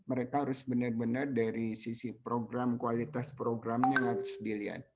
jadi mereka harus benar benar dari sisi program kualitas programnya harus dilihat